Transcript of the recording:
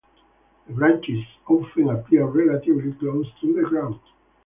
The branches often appear relatively close to the ground.